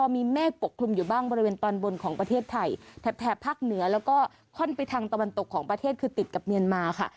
มีเมฆปกคลุมอยู่บ้างบริเวณตอนบนของประเทศไทยแถบภาคเหนือแล้วก็ค่อนไปทางตะวันตกของประเทศคือติดกับเมียนมาค่ะ